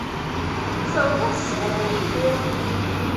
Ssawaḍ-as sslam i Yidir.